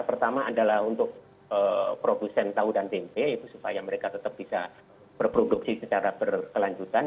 pertama adalah untuk produsen tau dan tmp supaya mereka tetap bisa berproduksi secara berkelanjutan